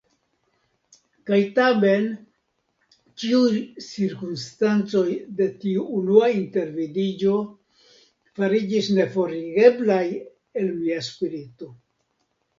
Kaj tamen ĉiuj cirkonstancoj de tiu unua intervidiĝo fariĝis neforigeblaj el mia spirito.